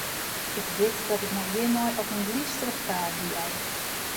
Ik wit dat ik my hjirmei op in glysterich paad bejou.